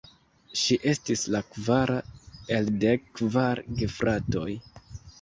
Ŝi estis la kvara el dek kvar gefratoj.